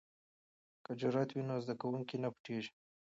که جرئت وي نو زده کوونکی نه پټیږي.